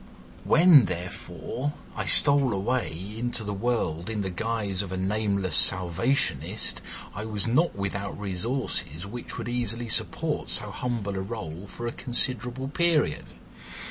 When, therefore, I stole away into the world in the guise of a nameless Salvationist, I was not without resources which would easily support so humble a rôle for a considerable period.